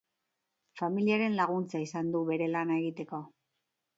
Familiaren laguntza izan du bere lana egiteko.